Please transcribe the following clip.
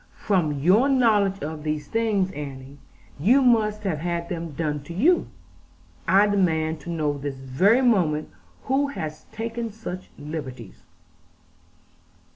'From your knowledge of these things, Annie, you must have had them done to you. I demand to know this very moment who has taken such liberties.'